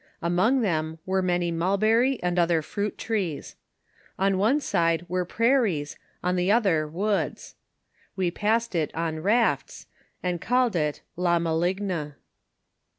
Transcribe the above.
Among them were many mulberry and other fruit trees. On one side were prairies, on the other woods. We passed it on rafts, and ''!\lled it La Maligne.